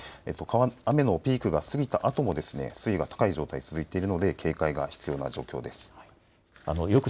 雨のピークが過ぎたあとも水位が高い状態が続いているので警戒が必要な状況です。